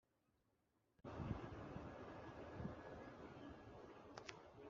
Abandi bavandimwe na bashiki bacu bagaragaje ukwizera bakomeza kwihangana mu murimo wa gikristo nubwo